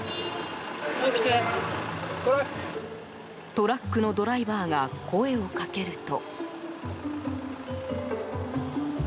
トラックのドライバーが声をかけると。